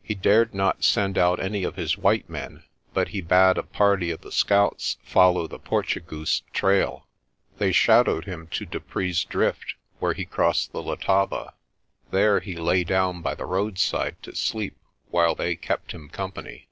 He dared not send out any of his white men but he bade a party of the scouts follow the Portugoose's trail. They shadowed him to Du pree's Drift, where he crossed the Letaba. There he lay down by the roadside to sleep while they kept him company.